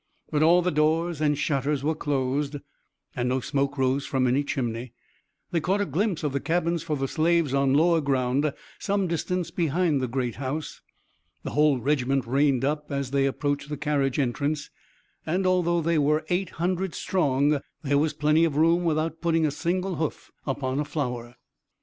But all the doors and shutters were closed and no smoke rose from any chimney. They caught a glimpse of the cabins for the slaves, on lower ground some distance behind the great house. The whole regiment reined up as they approached the carriage entrance, and, although they were eight hundred strong, there was plenty of room without putting a single hoof upon a flower.